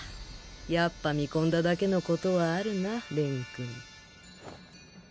やっぱ見込んだだけのことはあるなくん。